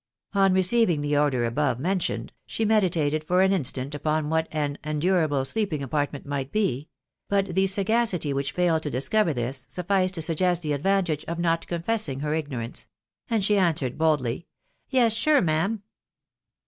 On receiving the order above mentioned, she meditated for an instant upon what an "endurable sleeping apartment " might be ; but the sagacity which failed to dis cover this, sufficed to suggest the Advantage of not confessing her ignorance ; and she answered boldly, " Yes, sure, ma'am."